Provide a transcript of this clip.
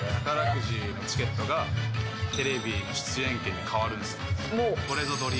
宝くじのチケットがテレビの出演権にかわるんですよ。